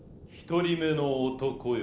「１人目の男よ」。